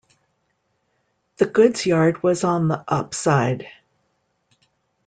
The goods yard was on the up side.